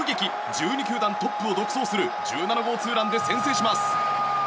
１２球団トップを独走する１７号ツーランで先制します。